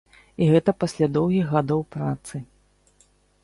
І гэта пасля доўгіх гадоў працы!